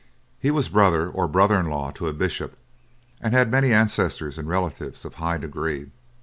He was brother or brother in law to a bishop, and had many ancestors and relatives of high degree.